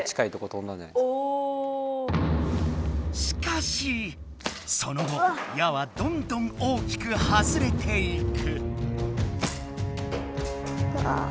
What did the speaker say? しかしその後矢はどんどん大きく外れていく。